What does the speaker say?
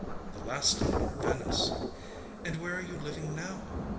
"The last time in Venice." "And where are you living now?"